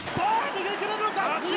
逃げきれるのか？